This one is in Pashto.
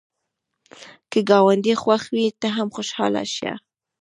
که ګاونډی خوښ وي، ته هم خوشحاله شه